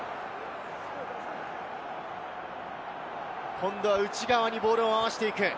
今度は内側にボールを回していく。